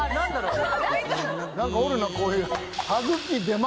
これ。